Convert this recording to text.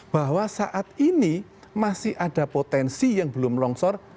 bahwa saat ini masih ada potensi yang belum longsor